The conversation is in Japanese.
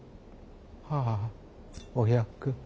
はあお百。